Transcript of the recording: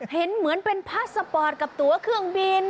เห็นเหมือนเป็นพาสปอร์ตกับตัวเครื่องบิน